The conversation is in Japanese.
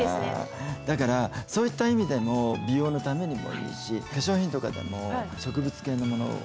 だからそういった意味でも美容のためにもいいし化粧品とかでも植物系のものを。